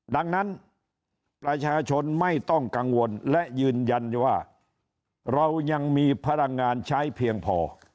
ดังนั้นประชาชนไม่ต้องกังวลและยืนยันว่าเรายังมีพลังงานใช้เพียงพอ